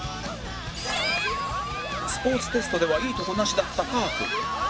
スポーツテストではいいとこなしだったかーくん